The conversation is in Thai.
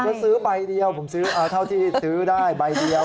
ก็ซื้อใบเดียวผมซื้อเอาเท่าที่ซื้อได้ใบเดียว